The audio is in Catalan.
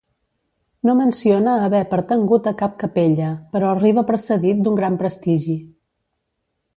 No menciona haver pertangut a cap capella, però arriba precedit d'un gran prestigi.